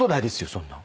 そんなん。